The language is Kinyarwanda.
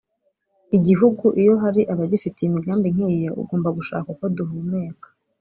Igihugu iyo hari abagifitiye imigambi nk’iyo…ugomba gushaka uko duhumeka